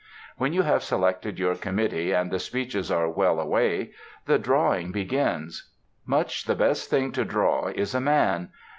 When you have selected your committee and the speeches are well away, the Drawing begins. Much the best thing to draw is a man.